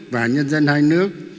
và nhân dân hai nước